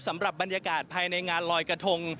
สำหรับบรรยากาศภายในงานลอยกระทง